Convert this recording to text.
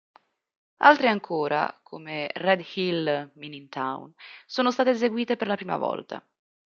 Altre ancora, come "Red Hill Mining Town", sono state eseguite per la prima volta.